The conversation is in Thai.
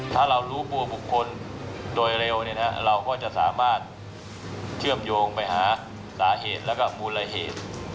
ถ้าเรารู้ตัวบุคคลโดยเร็วเราก็จะสามารถเชื่อมโยงไปหาสาเหตุแล้วก็มูลละเหตุ